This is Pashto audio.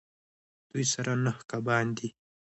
دوی سره نهه کبان دي